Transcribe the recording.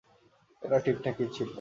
এটা ঠিকঠাকই ছিল।